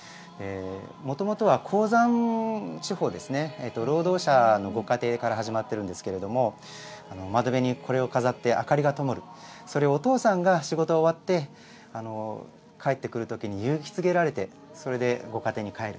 もともとは鉱山地方ですね、労働者のご家庭から始まってるんですけれども、窓辺にこれを飾って、明かりがともる、それをお父さんが仕事終わって、帰ってくるときに、勇気づけられて、それでご家庭に帰る。